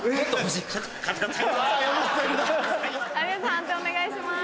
判定お願いします。